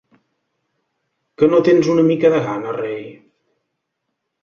Que no tens una mica de gana, rei?